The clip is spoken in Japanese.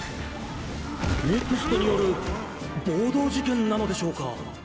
ＮＥＸＴによる暴動事件なのでしょうか？？